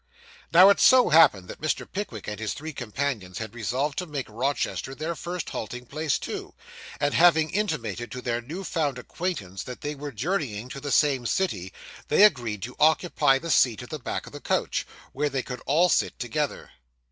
Now it so happened that Mr. Pickwick and his three companions had resolved to make Rochester their first halting place too; and having intimated to their new found acquaintance that they were journeying to the same city, they agreed to occupy the seat at the back of the coach, where they could all sit together.